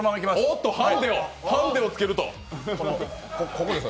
おっと、ハンデをつけると。